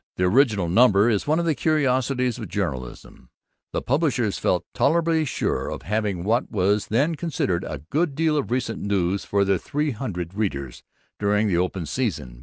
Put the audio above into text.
The original number is one of the curiosities of journalism. The publishers felt tolerably sure of having what was then considered a good deal of recent news for their three hundred readers during the open season.